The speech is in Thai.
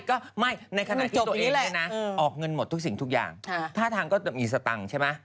ก็ไม่ในขณะที่ตัวเองเนี่ยนะออกเงินหมดทุกสิ่งทุกอย่างท่าทางก็จะมีสตังค์ใช่ไหม